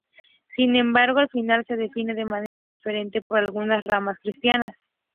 Sin embargo, el final se define de manera diferente por algunas ramas cristianas.